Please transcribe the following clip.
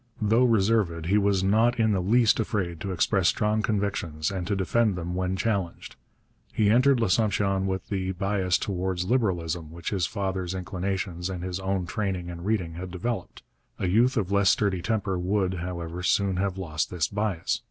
Though reserved, he was not in the least afraid to express strong convictions and to defend them when challenged. He entered L'Assomption with the bias towards Liberalism which his father's inclinations and his own training and reading had developed. A youth of less sturdy temper would, however, soon have lost this bias.